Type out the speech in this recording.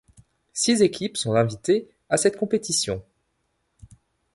Six équipes sont invitées à cette compétition.